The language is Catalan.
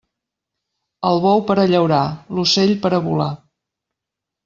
El bou per a llaurar, l'ocell per a volar.